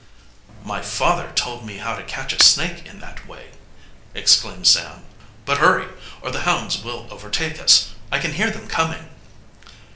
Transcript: "My father told me how to catch a snake in that way," exclaimed Sam. "But hurry, or the hounds will overtake us. I can hear them coming."